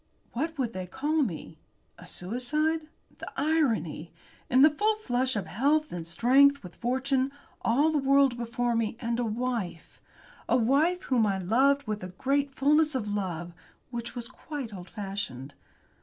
What would they call me? A suicide? The irony! In the full flush of health and strength, with fortune, all the world before me, and a wife. A wife whom I loved with a great fulness of love which was quite old fashioned.